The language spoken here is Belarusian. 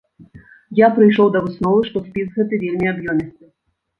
Я прыйшоў да высновы, што спіс гэты вельмі аб'ёмісты.